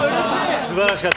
素晴らしかった。